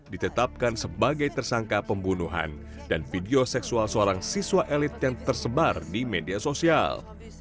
ditetapkan sebagai tersangka pembunuhan dan video seksual seorang siswa elit yang tersebar di media sosial